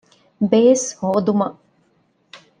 ބޭސް ހޯދުމަށް